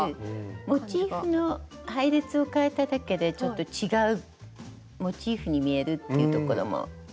モチーフの配列をかえただけでちょっと違うモチーフに見えるっていうところも魅力ですね。